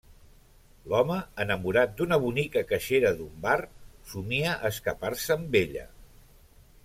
L'home, enamorat d’una bonica caixera d'un bar, somia escapar-se amb ella.